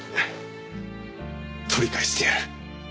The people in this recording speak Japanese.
取り返してやる。